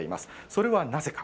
それはなぜか。